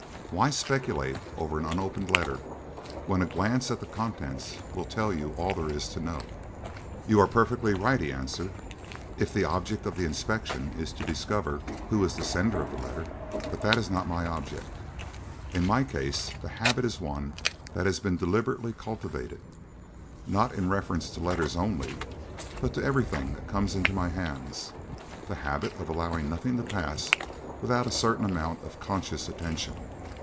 Why speculate over an unopened letter when a glance at the contents will tell you all there is to know?" "You are perfectly right," he answered, "if the object of the inspection is to discover who is the sender of the letter. But that is not my object. In my case the habit is one that has been deliberately cultivated not in reference to letters only, but to everything that comes into my hands the habit of allowing nothing to pass without a certain amount of conscious attention.